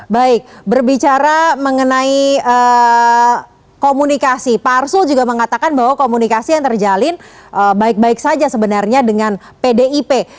baik berbicara mengenai komunikasi pak arsul juga mengatakan bahwa komunikasi yang terjalin baik baik saja sebenarnya dengan pdip